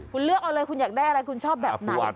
คุณเลือกเอาเลยคุณอยากได้อะไรคุณชอบแบบไหน